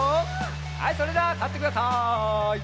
はいそれではたってください。